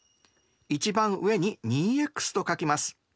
一番上に２ｘと書きます。